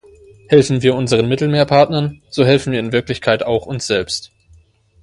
Helfen wir unseren Mittelmeerpartnern, so helfen wir in Wirklichkeit auch uns selbst.